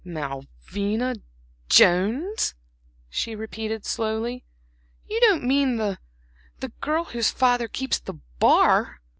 "Malvina Jones!" she repeated, slowly. "You don't mean the the girl whose father keeps the bar?"